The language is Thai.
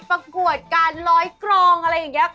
ประกวดการร้อยกรองอะไรอย่างนี้